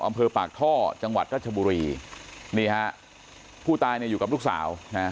อำเภอปากท่อจังหวัดรัชบุรีนี่ฮะผู้ตายเนี่ยอยู่กับลูกสาวนะฮะ